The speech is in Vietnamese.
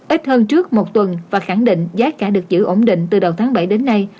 ít hơn trước một tuần và khẳng định giá cả được giữ ổn định từ đầu tháng bảy đến nay